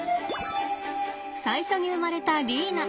最初に生まれたリーナ。